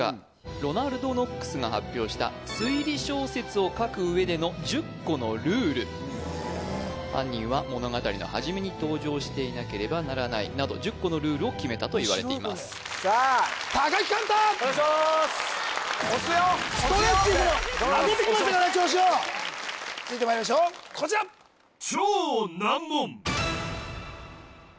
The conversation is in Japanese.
ロナルド・ノックスが発表した推理小説を書く上での１０個のルールへえ犯人は物語の始めに登場していなければならないなど１０個のルールを決めたといわれていますさあ高木貫太お願いしまーす押すよ押すよストレッチーズも上げてきましたから調子を続いてまいりましょうこちらはやい